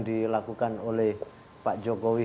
dilakukan oleh pak jokowi